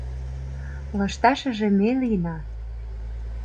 Лышташыже ме лийна.